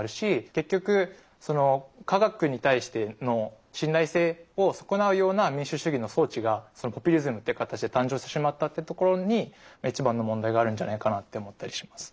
結局科学に対しての信頼性を損なうような民主主義の装置がポピュリズムっていう形で誕生してしまったってところにいちばんの問題があるんじゃないかなって思ったりします。